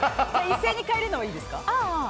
一斉に変えるのはいいですか？